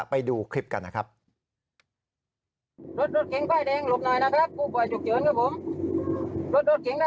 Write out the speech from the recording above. ไปดูคลิปกันนะครับหลุบหน่อยนะครับกูคุยนะครับ